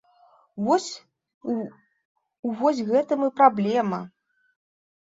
Вось у вось гэтым і праблема!